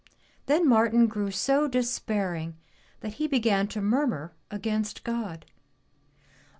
Then Martin grew so despairing that he began to murmur against God.